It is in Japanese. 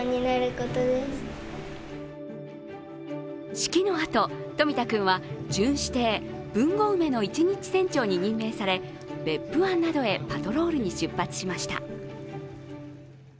式のあと、冨田君は巡視船「ぶんごうめ」の一日船長に任命され別府湾などへパトロールに出発しました。